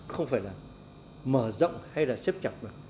không phải là mở rộng hay là xếp chặt được